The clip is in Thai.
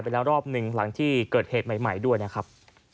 รอบหนึ่งหลังที่เกิดเหตุใหม่ด้วยนะครับ